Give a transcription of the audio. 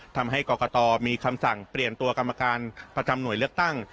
ทำให้กรกตมีคำสั่งเปลี่ยนตัวกรรมการประจำหน่วยเลือกตั้ง